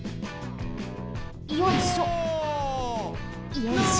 よいしょ。